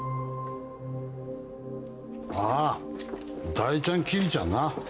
あー大ちゃん桐ちゃんな。